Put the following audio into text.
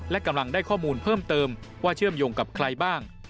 และกำลังได้ข้อมูลเพิ่มเติมว่าเชื่อมโยงกับใครบ้าง